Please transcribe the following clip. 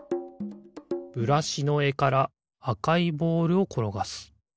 ブラシのえからあかいボールをころがす。